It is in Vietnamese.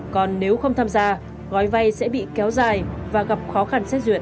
còn nếu không tham gia gói vay sẽ bị kéo dài và gặp khó khăn xét duyệt